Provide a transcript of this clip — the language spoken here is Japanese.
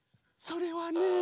それはね。